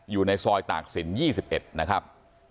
อยู่ในซอยตากศิลป๒๑นะครับ